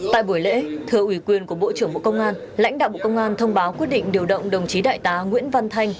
tại buổi lễ thưa ủy quyền của bộ trưởng bộ công an lãnh đạo bộ công an thông báo quyết định điều động đồng chí đại tá nguyễn văn thanh